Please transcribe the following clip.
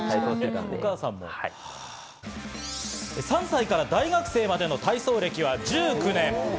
３歳から大学生までの体操歴は１９年。